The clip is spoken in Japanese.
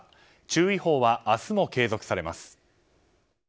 注意報は明日も継続されます。